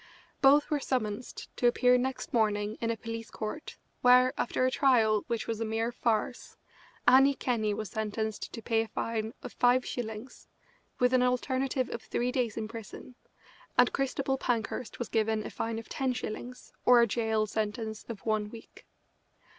Both were summonsed to appear next morning in a police court, where, after a trial which was a mere farce, Annie Kenney was sentenced to pay a fine of five shillings, with an alternative of three days in prison, and Christabel Pankhurst was given a fine of ten shillings or a jail sentence of one week.